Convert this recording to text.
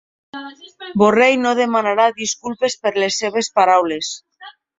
Borrell no demanarà disculpes per les seves paraules